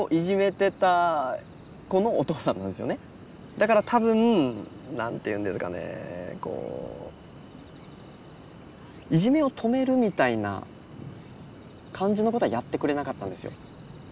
だから多分何て言うんですかねこういじめを止めるみたいな感じのことはやってくれなかったんですよ。